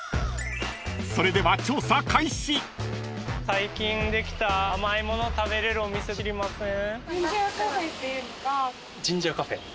最近できた甘いもの食べれるお店知りません？